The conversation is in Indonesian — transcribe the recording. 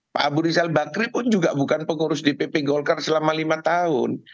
pak abu rizal bakri pun juga bukan pengurus dpp golkar selama lima tahun